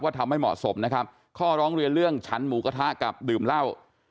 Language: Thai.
ทำไม่เหมาะสมนะครับข้อร้องเรียนเรื่องฉันหมูกระทะกับดื่มเหล้า